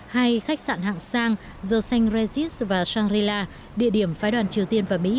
hai khách sạn hạng sang the st regis và shangri la địa điểm phái đoàn triều tiên và mỹ